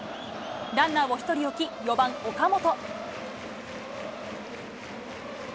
ランナーを１人置き、４番岡本。